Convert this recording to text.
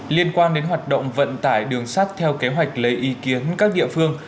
liên quan đến hoạt động vận tải đường sắt theo kế hoạch lấy ý kiến các địa phương